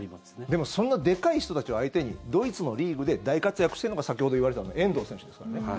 でもそんなでかい人たちを相手にドイツのリーグで大活躍しているのが先ほど言われていた遠藤選手ですからね。